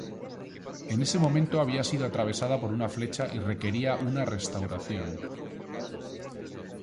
En ese momento había sido atravesada por una flecha y requería una restauración.